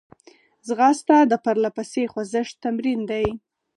ځغاسته د پرلهپسې خوځښت تمرین دی